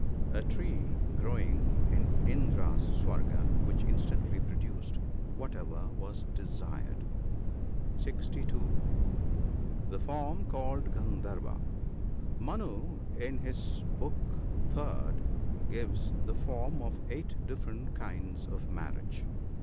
— A tree growing in Indra's Swarga, which instantly produced whatever was desired. (62.) . The form called Guttdharva. — Manu, in his Book III., gives the form of eight different kinds of marriage.